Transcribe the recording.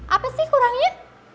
apa sih kurangnya